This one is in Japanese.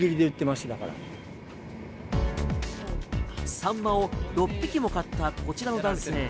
サンマを６匹も買ったこちらの男性。